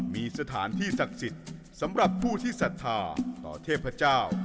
มีสถานที่ศักดิ์สิทธิ์สำหรับผู้ที่ศรัทธาต่อเทพเจ้า